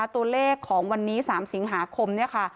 ตัวเลขของวันนี้๓สิงหาคม